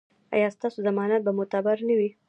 ایا ستاسو ضمانت به معتبر نه وي؟